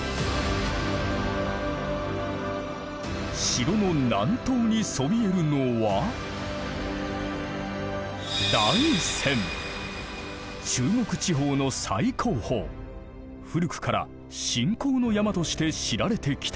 城の南東にそびえるのは中国地方の最高峰古くから信仰の山として知られてきた。